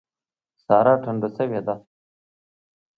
سارا ټنډه شوې ده.